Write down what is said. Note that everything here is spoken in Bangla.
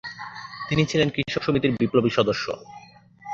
তিনি ছিলেন কৃষক সমিতির বিপ্লবী সদস্য।